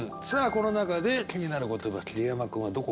この中で気になる言葉桐山君はどこ？